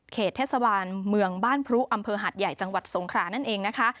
เทศบาลเมืองบ้านพรุอำเภอหาดใหญ่จังหวัดสงครานั่นเองนะคะ